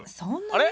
あれ？